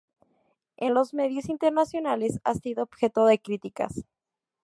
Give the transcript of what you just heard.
En los medios internacionales, ha sido objeto de críticas.